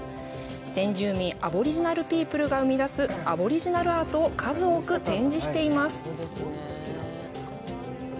先住民アボリジナルピープルが生み出すアボリジナルアートを数多く展示しています。